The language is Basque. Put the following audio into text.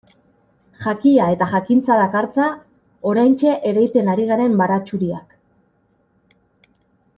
Jakia eta jakintza dakartza oraintxe ereiten ari garen baratxuriak.